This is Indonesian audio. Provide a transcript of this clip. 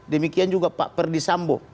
demikian juga pak perdisambo